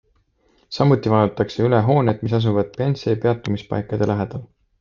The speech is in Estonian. Samuti vaadatakse üle hooned, mis asuvad Pence'i peatumispaikade lähedal.